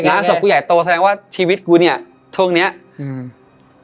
ศพผู้ใหญ่โตแสดงว่าชีวิตกูเนี้ยช่วงเนี้ยอืม